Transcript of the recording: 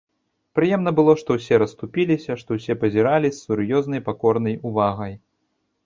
Прыемна было, што ўсе расступіліся, што ўсе пазіралі з сур'ёзнай, пакорнай увагай.